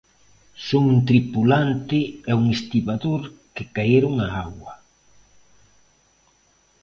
Son un tripulante e un estibador que caeron á auga.